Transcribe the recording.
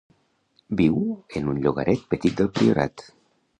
Viu en un llogaret petit del Priorat.